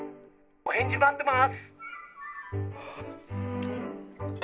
お返事待ってます」。